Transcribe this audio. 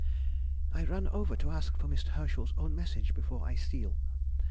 ... I ran over to ask for Miss Herschel's own message before I seal.